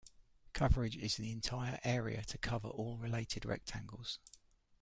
Coverage is the entire area to cover all related rectangles.